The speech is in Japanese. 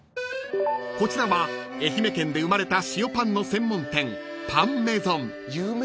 ［こちらは愛媛県で生まれた塩パンの専門店］